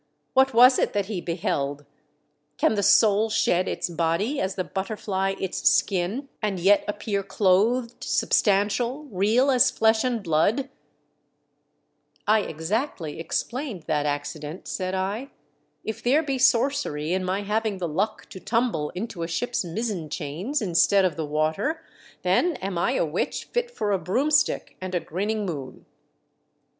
What was it that he beheld .* Can the soul shed its body as the butterfly its skin and yet appear clothed, substantial, real as flesh and blood .'*" MY SWEETHEART'S JOY. 33 I " I exactly explained that accident," said I. " If there be sorcery in my having the luck to tumble into a ship's mizzen chains instead of the water, then am I a witch fit for a broomstick and a grinning moon